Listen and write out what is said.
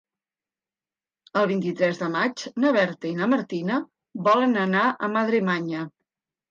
El vint-i-tres de maig na Berta i na Martina volen anar a Madremanya.